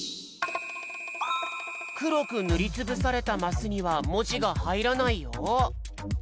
くろくぬりつぶされたマスにはもじがはいらないよ。